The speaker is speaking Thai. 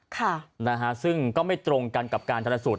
ค่ะซึ่งก็ไม่ตรงกันกับการธรรมค์นี้